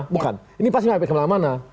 bukan ini pasti kemana mana